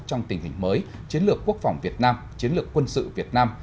trong tình hình mới chiến lược quốc phòng việt nam chiến lược quân sự việt nam